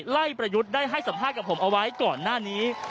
ประยุทธ์ได้ให้สัมภาษณ์กับผมเอาไว้ก่อนหน้านี้